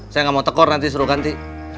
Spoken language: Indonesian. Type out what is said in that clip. saya nggak mau tekor nanti suruh ganti